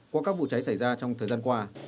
qua các vụ cháy xảy ra trong thời gian qua